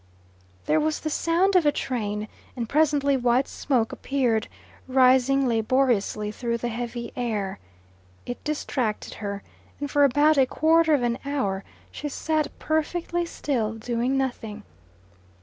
There was the sound of a train, and presently white smoke appeared, rising laboriously through the heavy air. It distracted her, and for about a quarter of an hour she sat perfectly still, doing nothing.